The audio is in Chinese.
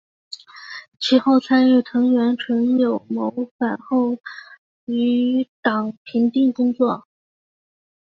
其后参与藤原纯友谋反后的余党平定工作。